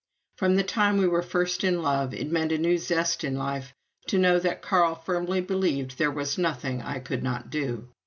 From the time we were first in love, it meant a new zest in life to know that Carl firmly believed there was nothing I could not do.